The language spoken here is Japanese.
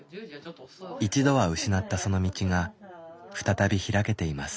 一度は失ったその道が再び開けています。